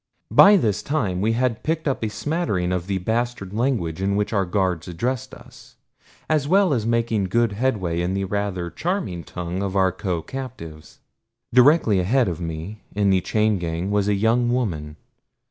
By this time we had picked up a smattering of the bastard language in which our guards addressed us, as well as making good headway in the rather charming tongue of our co captives. Directly ahead of me in the chain gang was a young woman.